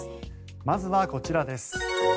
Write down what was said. まずはこちらです。